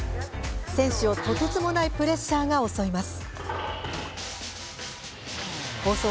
選手をとてつもないプレッシャーが襲います。